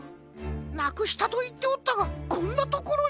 なくしたといっておったがこんなところに。